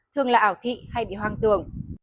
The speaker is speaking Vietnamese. thường là ảo thị hay bị hoang tưởng